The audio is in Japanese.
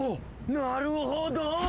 なるほど。